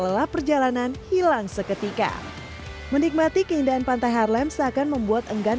lelah perjalanan hilang seketika menikmati keindahan pantai harlem seakan membuat enggan